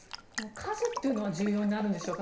数というのは重要になるんでしょうか。